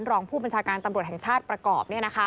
รองผู้บัญชาการตำรวจแห่งชาติประกอบ